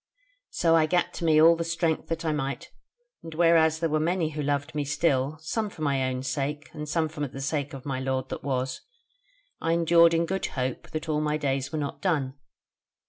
So I gat to me all the strength that I might, and whereas there were many who loved me still, some for my own sake, and some for the sake of my lord that was, I endured in good hope that all my days were not done.